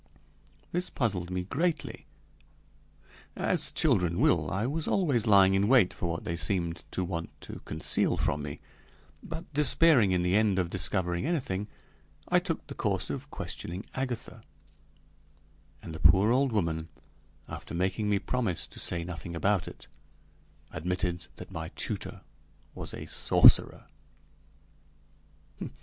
This puzzled me greatly. As children will, I was always lying in wait for what they seemed to want to conceal from me; but despairing in the end of discovering anything, I took the course of questioning Agatha, and the poor old woman, after making me promise to say nothing about it, admitted that my tutor was a sorcerer.